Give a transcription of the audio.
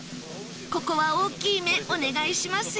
ここは大きい目お願いしますよ